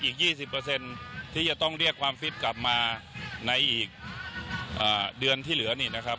อีก๒๐ที่จะต้องเรียกความฟิตกลับมาในอีกเดือนที่เหลือนี่นะครับ